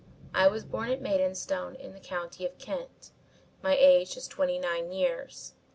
I was born at Maidstone in the County of Kent. My age is twenty nine years.